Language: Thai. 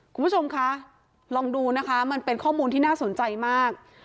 คุณผู้ชมคะลองดูนะคะมันเป็นข้อมูลที่น่าสนใจมาก